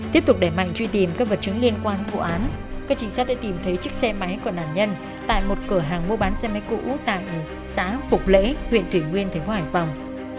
tiếp tục đẩy mạnh truy tìm các vật chứng liên quan vụ án các trình sát đã tìm thấy chiếc xe máy của nạn nhân tại một cửa hàng mua bán xe máy cũ tại xã phục lễ huyện thủy nguyên thành phố hải phòng